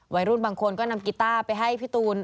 วัยรุ่นบางคนก็นำกีต้าไปให้พี่ตูน